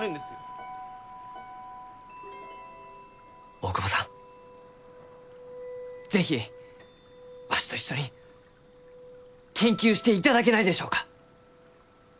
大窪さん是非わしと一緒に研究していただけないでしょうか？